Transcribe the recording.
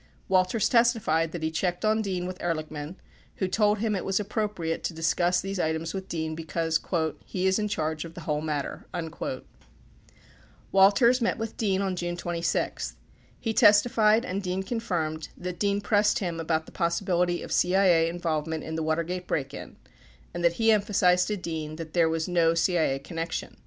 Walters testified that he checked on Dean with Ehrlichman, who told him it was appropriate to discuss these items with Dean because "he is in charge of the whole matter." 36 Walters met with Dean on June 26. He testified, and Dean confirmed, that Dean pressed him about the possibility of CIA involvement in the Watergate break in and that he emphasized to Dean that there was no CIA connection.